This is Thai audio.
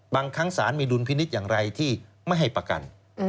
บางครั้งสารมีดุลพินิษฐ์อย่างไรที่ไม่ให้ประกัน